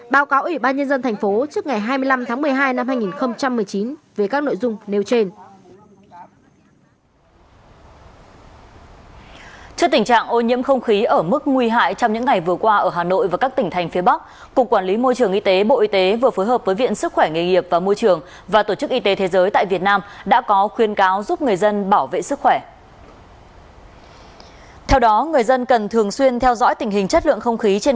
báo cáo ủy ban nhân dân thành phố trước ngày hai mươi năm tháng một mươi hai năm hai nghìn một mươi chín về các nội dung nêu trên